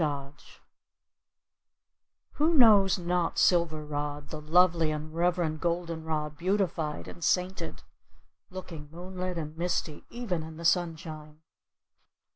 THOMAS Who knows not Silver rod, the lovely and reverend Golden rod beautified and sainted, looking moonlit and misty even in the sunshine!